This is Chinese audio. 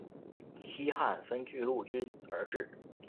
西汉分钜鹿郡而置。